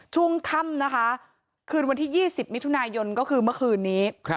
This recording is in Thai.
ช่วงค่ำนะคะคืนวันที่๒๐มิถุนายนก็คือเมื่อคืนนี้